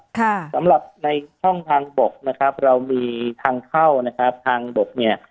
สำหรับในช่องทางบกนะครับเรามีทางเข้านะครับทางบกเนี่ย